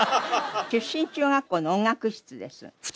出身中学校の音楽室です。